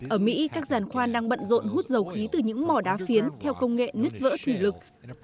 ở mỹ các giàn khoan đang bận rộn hút dầu khí từ những mỏ đá phiến theo công nghệ nứt vỡ thủy lực